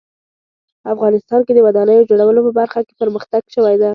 افغانستان کې د ودانیو جوړولو په برخه کې پرمختګ شوی ده